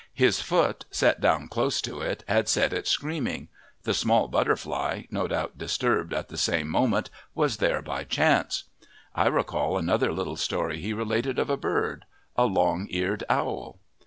His foot, set down close to it, had set it screaming; the small butterfly, no doubt disturbed at the same moment, was there by chance. I recall here another little story he related of a bird a long eared owl.